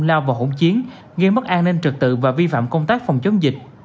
lao vào hỗn chiến gây mất an ninh trực tự và vi phạm công tác phòng chống dịch